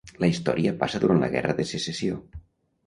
La història passa durant la guerra de Secessió.